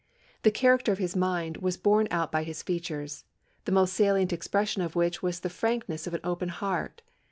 The character of his mind was borne out by his features, the most salient expression of which was the frankness of an open heart.